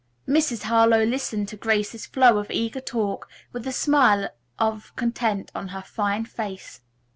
Mrs. Harlowe listened to Grace's flow of eager talk with a smile of content on her fine face.